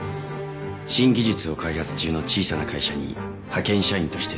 新技術を開発中の小さな会社に派遣社員として潜入。